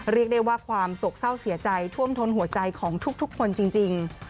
เรียกได้ว่าความโศกเศร้าเสียใจท่วมทนหัวใจของทุกคนจริง